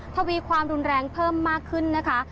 ทวีความรุนแรงเพิ่มมากขึ้นนะคะ